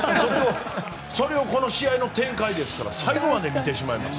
それなのにこの試合の展開ですから最後まで見てしまいました。